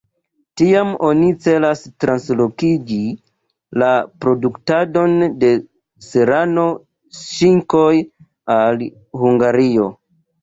Tiam oni celas translokigi la produktadon de serrano-ŝinkoj al Hungario.